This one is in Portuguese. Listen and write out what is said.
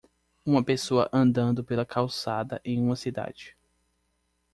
Uma pessoa andando pela calçada em uma cidade.